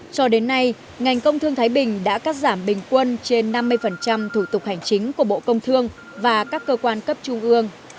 cho đến nay ngành công thương thái bình đã cắt giảm bình quân trên năm mươi thủ tục hành chính của bộ công thương và các cơ quan cấp trung ương